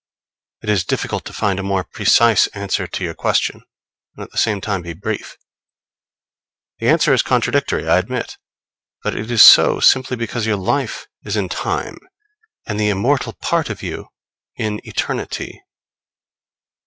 It is difficult to find a more precise answer to your question and at the same time be brief. The answer is contradictory, I admit; but it is so simply because your life is in time, and the immortal part of you in eternity.